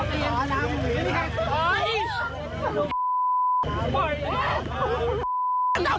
มันเกิดเหตุเป็นเหตุที่บ้านกลัว